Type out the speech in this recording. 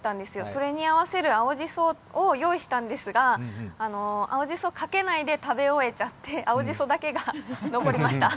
それにあわせる青じそを用意したんですが、青じそかけないで食べ終えちゃって、青じそだけが残りました。